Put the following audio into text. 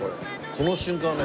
この瞬間はね